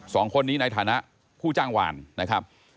สองคนนี้ในฐานะผู้จ้างวานนะครับ